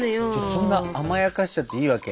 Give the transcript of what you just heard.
そんな甘やかしちゃっていいわけ？